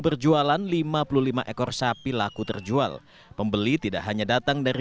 berjualan lima puluh lima ekor sapi laku terjual pembeli tidak hanya datang dari